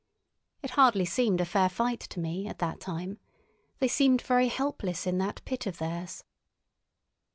It hardly seemed a fair fight to me at that time. They seemed very helpless in that pit of theirs.